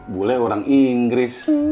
bu l orang inggris